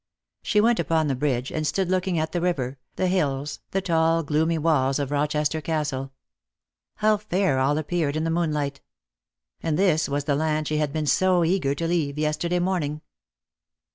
She went upon the bridge, and stood looking at the river, the hills, the tall gloomy walls of Rochester Castle. How fair all appeared in the moonlight ! And this was the land she had been so eager to leave yesterday morning.